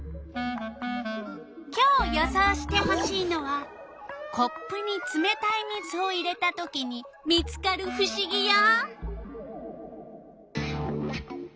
今日予想してほしいのはコップにつめたい水を入れたときに見つかるふしぎよ！